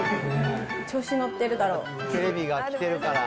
調子乗ってるだろう。